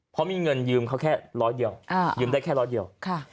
เพราะมีเงินยืมเขาแค่ร้อยเดียวยืมได้แค่ร้อยเดียว